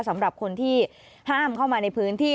สำหรับคนที่ห้ามเข้ามาในพื้นที่